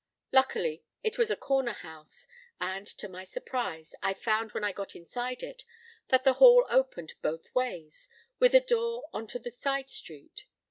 Luckily, it was a corner house, and, to my surprise, I found when I got inside it, that the hall opened both ways, with a door on to the side street.